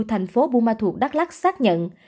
thành phố bô ma thuật đắk lắk xác nhận